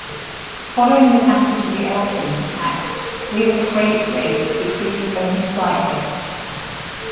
Following the passage of the Elkins Act, real freight rates decreased only slightly.